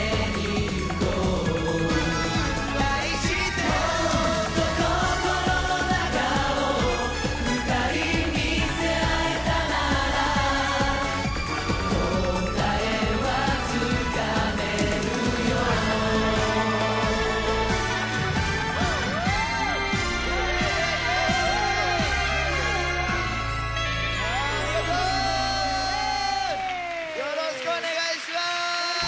よろしくお願いします！